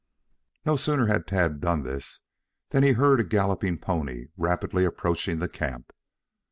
No sooner had Tad done this than he heard a galloping pony rapidly approaching the camp.